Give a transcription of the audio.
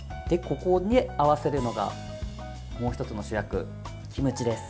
ここに合わせるのがもう１つの主役、キムチです。